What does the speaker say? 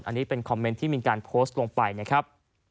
อันนี้เป็นคอมเมนต์ที่มีการโพสต์ลงไปนะครับ